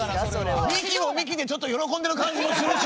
美紀も美紀でちょっと喜んでる感じもするし。